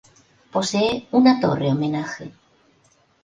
Posee una torre homenaje.